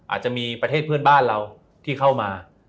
อาจจะมีประเทศเพื่อนบ้านเราที่เข้ามา